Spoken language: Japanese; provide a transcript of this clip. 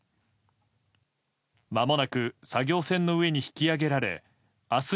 まもなく作業船の上に引き揚げられ明日